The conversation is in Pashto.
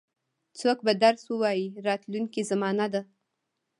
څوک به درس ووایي راتلونکې زمانه ده.